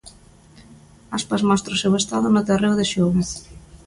Aspas mostra o seu estado no terreo de xogo.